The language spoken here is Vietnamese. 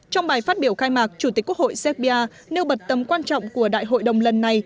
trong bài phát biểu khai mạc chủ tịch quốc hội serbia nêu bật tầm quan trọng của đại hội đồng lần này